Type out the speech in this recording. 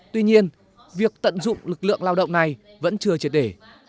tuy nhiên việc tận dụng lực lượng lao động này vẫn chưa triệt để